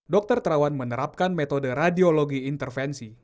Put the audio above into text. dokter terawan menerapkan metode radiologi intervensi